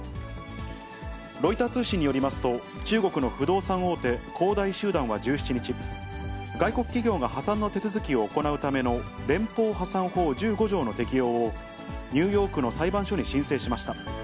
ロイター通信によりますと、中国の不動産大手、恒大集団は１７日、外国企業が破産の手続きを行うための連邦破産法１５条の適用を、ニューヨークの裁判所に申請しました。